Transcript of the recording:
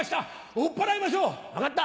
追っ払いましょう！分かった。